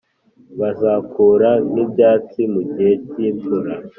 bazakura nk’ibyatsi mu gihe cy’imvura,